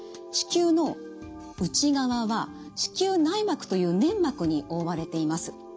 子宮の内側は子宮内膜という粘膜に覆われています。